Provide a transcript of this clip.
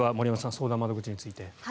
相談窓口について。